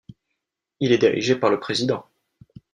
Il est dirigé par le président.